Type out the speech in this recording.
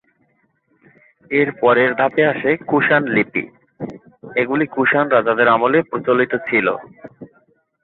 এর পরের ধাপে আসে কুষাণ লিপি; এগুলি কুষাণ রাজাদের আমলে প্রচলিত ছিল।